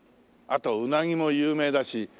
あとうなぎも有名だし。